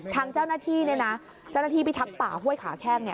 ทางเจ้าหน้าที่เนี่ยนะเจ้าหน้าที่ไปทักต่าห้วยขาแข้งเนี่ย